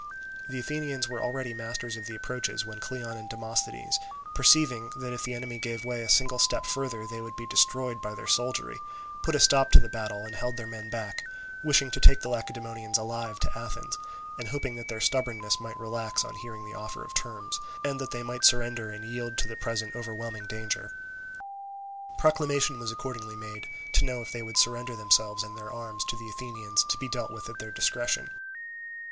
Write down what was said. The Athenians were already masters of the approaches when Cleon and Demosthenes perceiving that, if the enemy gave way a single step further, they would be destroyed by their soldiery, put a stop to the battle and held their men back; wishing to take the Lacedaemonians alive to Athens, and hoping that their stubbornness might relax on hearing the offer of terms, and that they might surrender and yield to the present overwhelming danger. Proclamation was accordingly made, to know if they would surrender themselves and their arms to the Athenians to be dealt at their discretion.